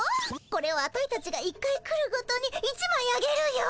これをアタイたちが一回来るごとに１まいあげるよ。